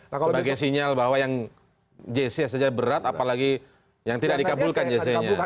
sebagai sinyal bahwa yang jc saja berat apalagi yang tidak dikabulkan jc nya